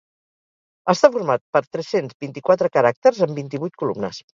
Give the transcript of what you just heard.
Està format per tres-cents vint-i-quatre caràcters en vint-i-vuit columnes.